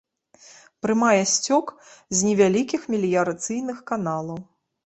Прымае сцёк з невялікіх меліярацыйных каналаў.